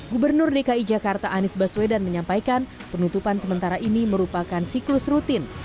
gubernur dki jakarta anies baswedan menyampaikan penutupan sementara ini merupakan siklus rutin